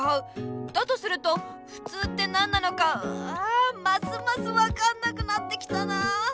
するとふつうって何なのかあますます分かんなくなってきたなあ。